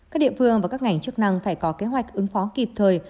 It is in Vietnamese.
các địa phương và các ngành chức năng phải có kế hoạch ứng phó kịp thời